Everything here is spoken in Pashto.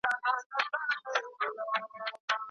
د ماشوم د لاسونو پاک ساتل هره ورځ تمرين کړئ.